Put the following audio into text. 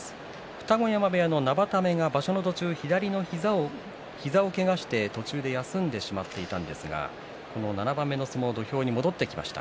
二子山部屋の生田目が場所の途中左の膝をけがして途中で休んでしまっていたんですが７番目の相撲土俵に戻ってきました。